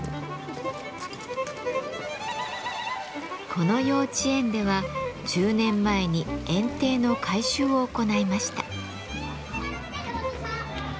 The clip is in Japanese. この幼稚園では１０年前に園庭の改修を行いました。